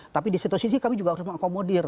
tapi di satu sisi kami juga harus mengakomodir